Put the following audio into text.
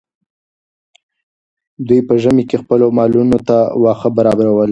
دوی په ژمي کې خپلو مالونو ته واښه برابرول.